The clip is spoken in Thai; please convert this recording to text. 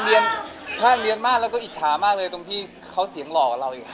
ใช่ไหมใช่ไหมพาดเงียนมากแล้วก็อิจฉามากเลยตรงที่เขาเสียงหล่อกับเราอีกครับ